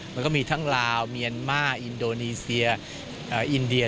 มันก็มีทั้งลาวเมียนมาอินโดนีเซียอินเดีย